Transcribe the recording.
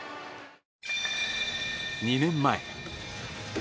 ２年前。